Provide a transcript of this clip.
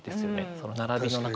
その並びの中に。